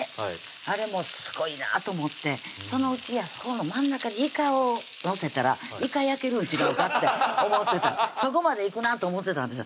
あれもすごいなと思ってそのうちあそこの真ん中にいかを載せたらいか焼けるんちがうかって思ってたそこまでいくなと思ってたんです